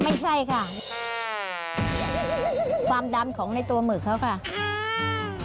ความดำของในตัวหมึกแล้วค่ะ